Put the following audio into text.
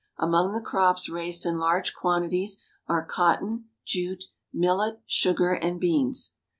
Among the crops raised in large quantities are cotton, jute, millet, sugar, and beans.